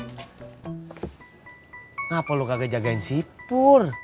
kenapa lo kagak jagain sipur